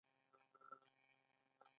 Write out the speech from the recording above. د بایو ګاز سیستمونه په کلیو کې شته؟